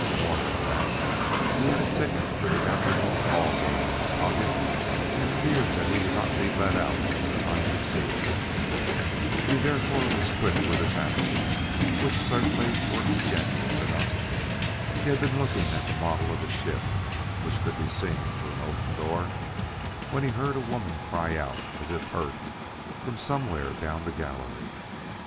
More than that, he had a ticket for that afternoon's ball game in his pocket and feared that he would not be let out in time to see it. He therefore was quick with his answers, which certainly were ingenuous enough. He had been looking at the model of a ship (which could be seen through an open door), when he heard a woman cry out as if hurt, from somewhere down the gallery.